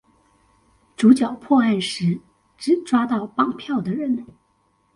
主角破案時只抓到綁票的人